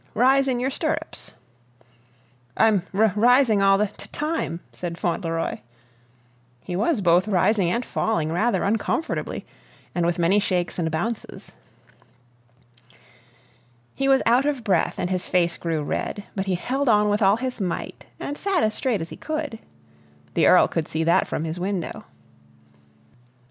Rise in your stirrups." "I'm ri rising all the t time," said Fauntleroy. He was both rising and falling rather uncomfortably and with many shakes and bounces. He was out of breath and his face grew red, but he held on with all his might, and sat as straight as he could. The Earl could see that from his window.